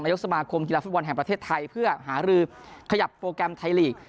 ยกสมาคมกีฬาฟุตบอลแห่งประเทศไทยเพื่อหารือขยับโปรแกรมไทยลีก